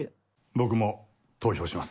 僕も投票します。